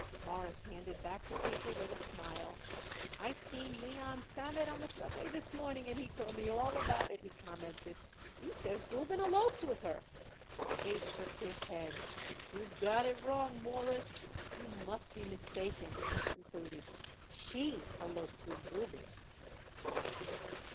Morris handed back the paper with a smile. "I seen Leon Sammet on the subway this morning and he told me all about it," he commented. "He says Gubin eloped with her." Abe shook his head. "You got it wrong, Mawruss. You must be mistaken," he concluded. "She eloped with Gubin."